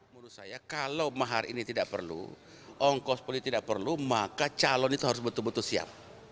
menurut saya kalau mahar ini tidak perlu ongkos politik tidak perlu maka calon itu harus betul betul siap